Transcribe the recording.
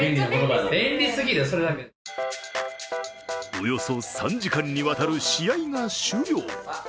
およそ３時間にわたる試合が終了。